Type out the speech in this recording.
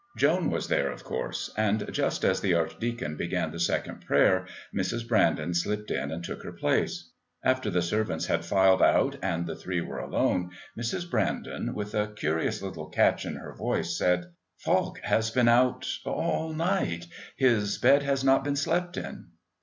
Joan was there, of course, and just as the Archdeacon began the second prayer Mrs. Brandon slipped in and took her place. After the servants had filed out and the three were alone, Mrs. Brandon, with a curious little catch in her voice, said: "Falk has been out all night; his bed has not been slept in."